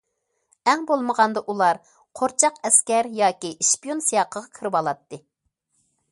ئەڭ بولمىغاندا ئۇلار قورچاق ئەسكەر ياكى ئىشپىيون سىياقىغا كىرىۋالاتتى.